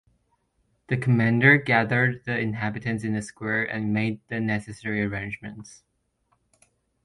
The commander gathered the inhabitants in the square and made the necessary arrangements.